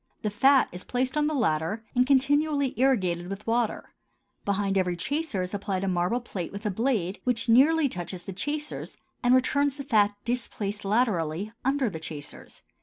The fat is placed on the latter and continually irrigated with water; behind every chaser is applied a marble plate with a blade which nearly touches the chasers and returns the fat displaced laterally, under the chasers.